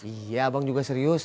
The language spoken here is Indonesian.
iya abang juga serius